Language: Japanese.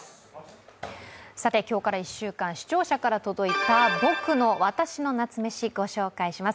今日から１週間、視聴者から届いた「ぼくのわたしの夏メシ」ご紹介します。